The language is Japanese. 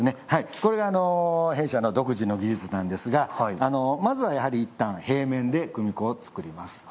これは弊社の独自の技術なんですがまずは、やはりいったん平面で組子を作ります。